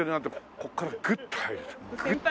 ここからグッと入るとグッと。